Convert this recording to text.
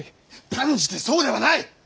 断じてそうではない！